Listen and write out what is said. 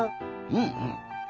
うんうん。